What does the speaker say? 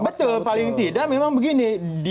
betul paling tidak memang begini